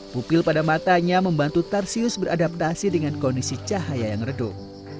pupil pada matanya membantu tarsius beradaptasi dengan kondisi cahaya yang redup